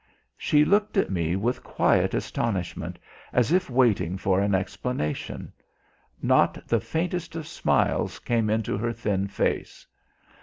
She looked at me with quiet astonishment, as if waiting for an explanation. Not the faintest of smiles came into her thin face.